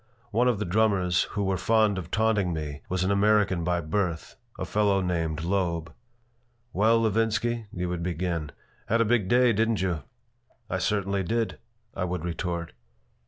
One of the drummers who were fond of taunting me was an American by birth, a fellow named Loeb "Well, Levinsky," he would begin. "Had a big day, didn't you?" "I certainly did," I would retort.